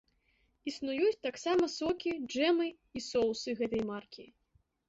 Існуюць таксама сокі, джэмы і соусы гэтай маркі.